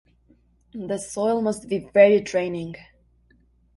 The soil must be very draining.